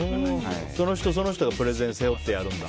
その人その人がプレゼン背負ってやるんだ。